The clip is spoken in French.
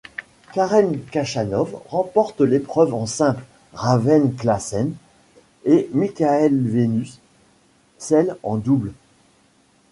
Karen Khachanov remporte l'épreuve en simple, Raven Klaasen et Michael Venus celle en double.